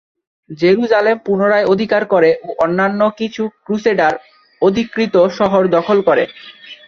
Jerusalem পুনরায় অধিকার করে ও অন্যান্য কিছু ক্রুসেডার অধিকৃত শহর দখল করে।